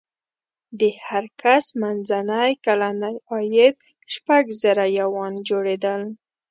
د هر کس منځنی کلنی عاید شپږ زره یوان جوړېدل.